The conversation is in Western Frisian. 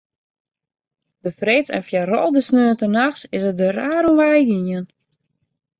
De freeds en foaral de sneontenachts is it der raar om wei gien.